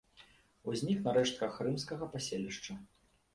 Узнік на рэштках рымскага паселішча.